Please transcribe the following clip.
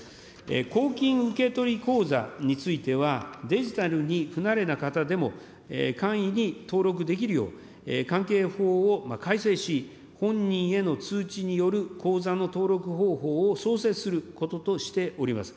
公金受取口座については、デジタルに不慣れな方でも簡易に登録できるよう関係法を改正し、本人への通知による口座の登録方法を創設することとしております。